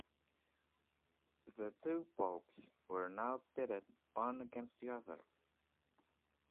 The two Popes were now pitted one against the other.